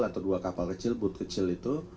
atau dua kapal kecil booth kecil itu